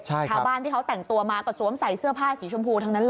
ชาวบ้านที่เขาแต่งตัวมาก็สวมใส่เสื้อผ้าสีชมพูทั้งนั้นเลย